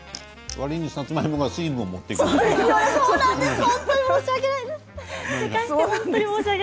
わりに、さつまいもが水分を持っていきますね。